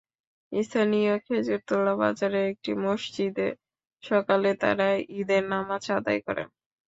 স্থানীয় খেজুরতলা বাজারের একটি মসজিদে সকালে তাঁরা ঈদের নামাজ আদায় করেন।